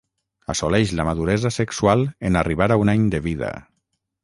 Assoleix la maduresa sexual en arribar a un any de vida.